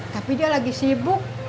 tapi dia lagi sibuk